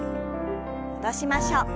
戻しましょう。